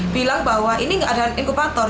bilang bahwa ini tidak ada inkubator